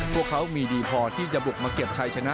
พวกเขามีดีพอที่จะบุกมาเก็บชัยชนะ